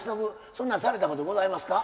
そんなんされたことございますか？